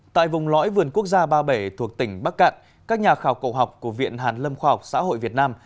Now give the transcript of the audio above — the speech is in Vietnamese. tại vùng lõi vườn quốc gia ba bể thuộc tỉnh bắc cạn các nhà khảo cổ học của viện hàn lâm khoa học xã hội việt nam